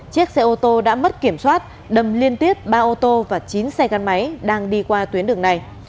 chiếc xe ô tô đã mất kiểm soát đâm liên tiếp ba ô tô và chín xe gắn máy đang đi qua tuyến đường này